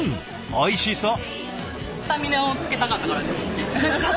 おいしそう。